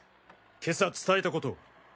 今朝伝えたことを！